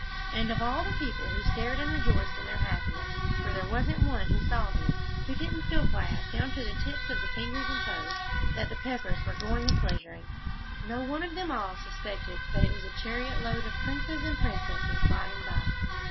And of all the people who stared and rejoiced in their happiness, for there wasn't one who saw them who didn't feel glad, down to the tips of the fingers and toes, that the Peppers were going a pleasuring, no one of them all suspected that it was a chariot load of princes and princesses gliding by.